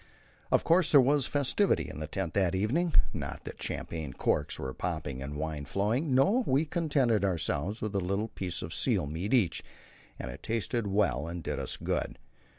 Of course, there was a festivity in the tent that evening not that champagne corks were popping and wine flowing no, we contented ourselves with a little piece of seal meat each, and it tasted well and did us good.